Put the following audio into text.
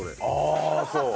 ああそう。